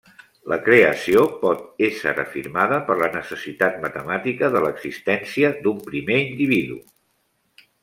La Creació pot ésser afirmada per la necessitat matemàtica de l'existència d'un primer individu.